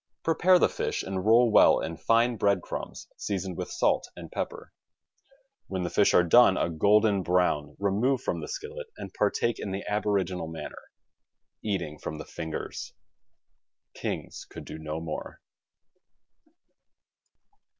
Prepare the fish and roll well in fine bread crumbs seasoned with salt and pepper. When the fish are done a golden brown remove from the skillet and partake in the aboriginal manner, eating from the fingers. Kings could do no more.